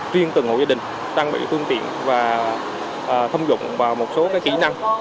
riêng từng hộ gia đình trang bị phương tiện và thông dụng vào một số kỹ năng